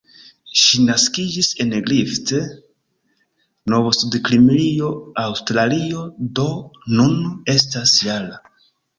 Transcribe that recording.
Ŝi naskiĝis en Griffith, Novsudkimrio, Aŭstralio, do nun estas -jara.